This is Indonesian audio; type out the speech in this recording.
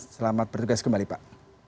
selamat bertugas kembali pak